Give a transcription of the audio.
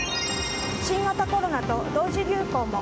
新型コロナと同時流行も。